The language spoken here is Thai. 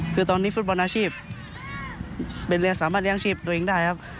คือตอนนี้ฟุตบอลนาชีพเป็นเรียกสามารถเรียงชีพตัวเองได้